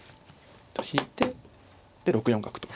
引いてで６四角と。